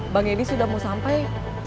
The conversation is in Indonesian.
bang edi sudah mau sampai